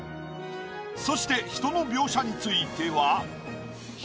そして人の描写については。